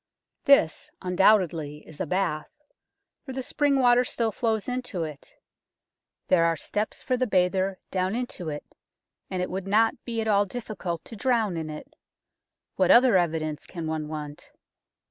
This undoubtedly is a bath, for the spring water still flows into it, there are steps for the bather down into it, and it would not be at all difficult to drown in it. What other evidence can one want